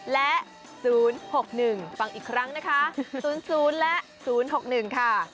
และ๐๖๑ฟังอีกครั้งนะคะ๐๐และ๐๖๑ค่ะ